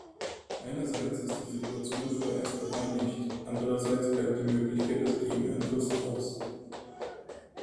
Einerseits ist die Situation vorerst bereinigt, andererseits bleibt die Möglichkeit des Gegenangriffs aus.